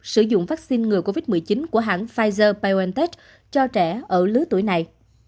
sử dụng vaccine ngừa covid một mươi chín của hãng pfizer biontech cho trẻ ở lứa tuổi này